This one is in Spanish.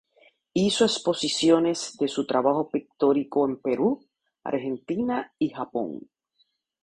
Hizo exposiciones de su trabajo pictórico en Perú, Argentina y Japón.